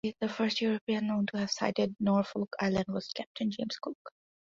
The first European known to have sighted Norfolk Island was Captain James Cook.